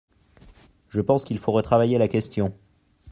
Je pense qu’il faut retravailler la question.